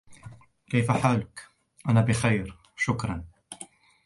كيف حالك؟ "انا بخير، شكرا."